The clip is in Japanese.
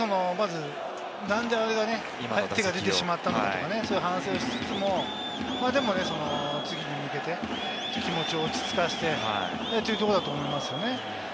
何であれ、手が出てしまったんだろうかとか、まず反省してね、でも次に向けて気持ちを落ち着かせてというところだと思いますね。